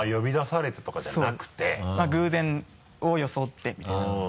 偶然を装ってみたいな。